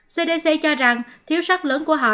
cdc cho rằng thiếu sắc lớn của họ